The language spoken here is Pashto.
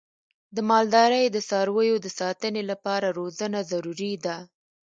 د مالدارۍ د څارویو د ساتنې لپاره روزنه ضروري ده.